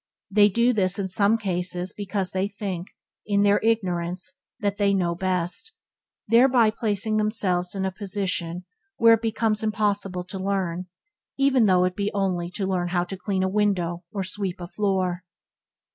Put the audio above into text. They do this in some cases because they think, in their ignorance, that they know best, thereby placing themselves in a position where it becomes impossible to learn, even though it be only to learn how to clean a window or sweep a floor.